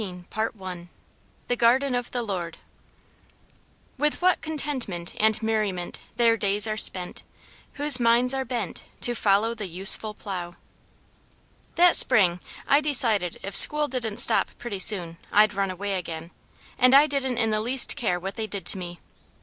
CHAPTER XIII The Garden of the Lord "With what content and merriment, Their days are spent, whose minds are bent To follow the useful plow." That spring I decided if school didn't stop pretty soon, I'd run away again, and I didn't in the least care what they did to me.